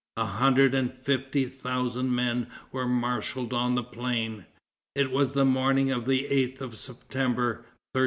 A hundred and fifty thousand men were marshaled on the plain. It was the morning of the 8th of September, 1380.